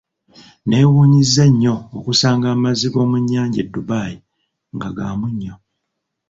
Neewuunyizza nnyo okusanga amazzi g'omu nnyanja e Dubai nga gamunnyo.